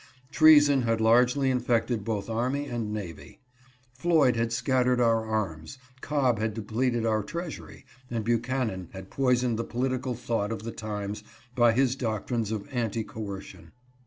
Treason had largely infected both army and navy. Floyd had scattered our arms, Cobb had depleted our treasury, and Buchanan had poisoned the political thought of the times by his doctrines of anti coercion.